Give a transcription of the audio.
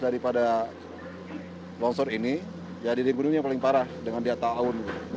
ada longsor ini ya di riung gunung ini yang paling parah dengan di atta awun